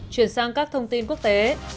chuyển sang các thông tin quốc tế